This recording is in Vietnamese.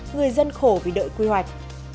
người dân khổ vì đợi quy hoạch